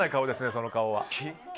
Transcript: その顔は。